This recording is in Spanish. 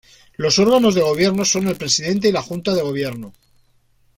Los órganos de gobierno son el Presidente y la Junta de Gobierno.